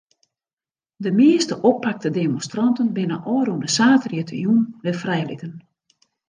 De measte oppakte demonstranten binne ôfrûne saterdeitejûn wer frijlitten.